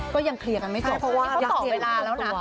ก็ยังเคลียร์กันไม่จบเพราะว่าเขาเสียเวลาแล้วนะ